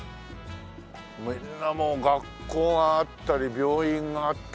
みんなもう学校があったり病院があったり。